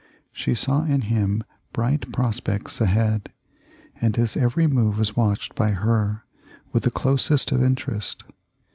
She saw in him bright prospects ahead, and his every move was watched by her with the closest interest.